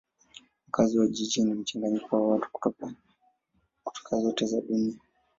Wakazi wa jiji ni mchanganyiko wa watu kutoka zote za dunia.